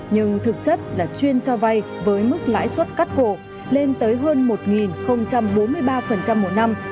nhưng thực chất là chuyên cho vay với mức lãi suất cắt cổ lên tới hơn một bốn mươi ba một năm